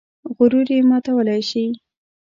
غرور یې ماتولی شي.